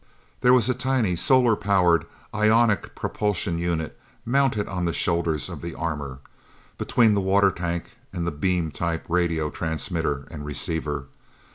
There was a tiny, solar powered ionic propulsion unit mounted on the shoulders of the armor, between the water tank and the beam type radio transmitter and receiver.